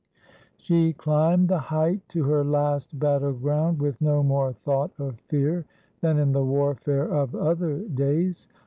She climbed the height to her last battleground, with no more thought of fear than in the warfare of other days.